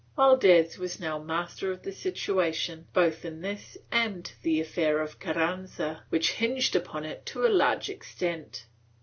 ^ Valdes was now master of the situation, both in this and the affair of Carranza, which hinged upon it to a large extent.